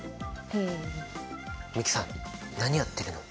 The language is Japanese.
美樹さん何やってるの？